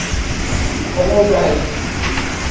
Fami o bahi!